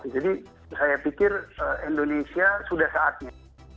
jadi saya pikir indonesia sudah saatnya